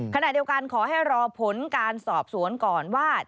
ขณะเดียวกันขอให้รอผลการสอบสวนก่อนว่า